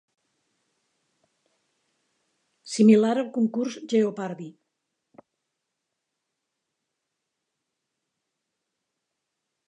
Similar al concurs "Jeopardy!".